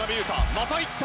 またいった！